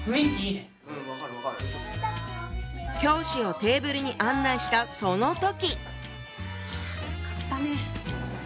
教師をテーブルに案内したその時！